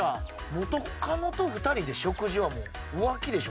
元カノと２人で食事はもう浮気でしょ